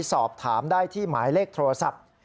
สอบถามได้ที่หมายเลขโทรศัพท์